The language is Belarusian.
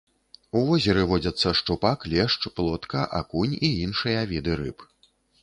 У возеры водзяцца шчупак, лешч, плотка, акунь і іншыя віды рыб.